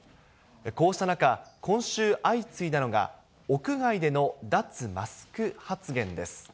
こうした中、今週相次いだのが、屋外での脱マスク発言です。